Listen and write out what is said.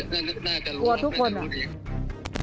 ประโยชน์ที่โรงพักษณ์น่าจะรู้